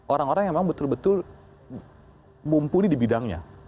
orang orang yang memang betul betul mumpuni di bidangnya